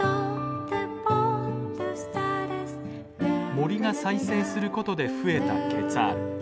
森が再生する事で増えたケツァール。